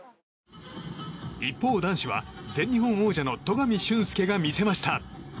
一方、男子は、全日本王者の戸上隼輔が見せました。